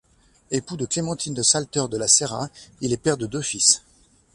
Époux de Clémentine de Salteur de La Serraz, il est père de deux fils.